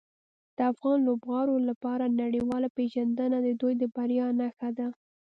د افغان لوبغاړو لپاره نړیواله پیژندنه د دوی د بریاوو نښه ده.